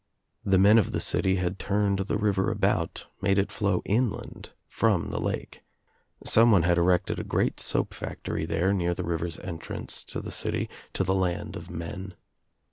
The men of the city had turned the river about, made It flow inland from the lake. Someone had erected a great soap factory ■ OUT OF NOWHERE INTO NOTHING 239 there near the river's entrance to the city, to the land of men.